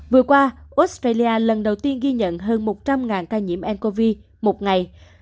vừa qua australia lần đầu tiên ghi nhận hơn một trăm linh ca nhiễm ncov một ngày